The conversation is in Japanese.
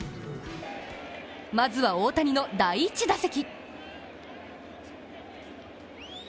まずは大谷の第１打席。